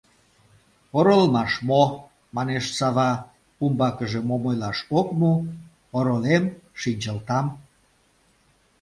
— Оролмаш мо... — манеш Сава, умбакыже мом ойлаш ок му, — оролем, шинчылтам...